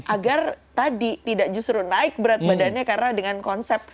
agar tadi tidak justru naik berat badannya karena dengan konsep